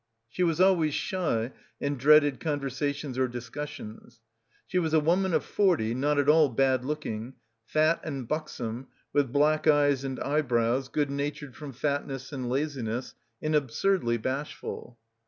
She was always shy and dreaded conversations or discussions. She was a woman of forty, not at all bad looking, fat and buxom, with black eyes and eyebrows, good natured from fatness and laziness, and absurdly bashful.